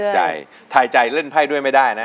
แปลกใจถ่ายใจเลื่อนไพ่ด้วยไม่ได้นะ